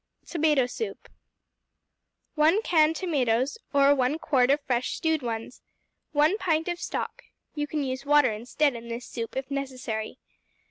Tomato Soup 1 can tomatoes, or 1 quart of fresh stewed ones. 1 pint of stock. (You can use water instead in this soup, if necessary.)